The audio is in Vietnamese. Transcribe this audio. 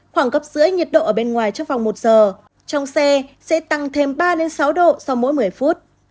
khoảng gấp rưỡi nhiệt độ ở bên ngoài trong vòng một giờ trong xe sẽ tăng thêm ba sáu độ sau mỗi một mươi phút